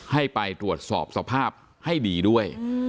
ให้ไปตรวจสอบสภาพให้ดีด้วย